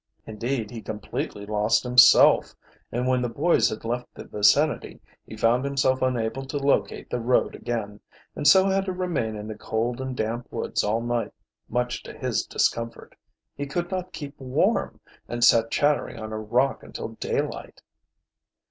Indeed, he completely lost himself, and when the boys had left the vicinity he found himself unable to locate the road again, and so had to remain in the cold and damp woods all night, much to his discomfort. He could not keep warm, and sat chattering on a rock until daylight.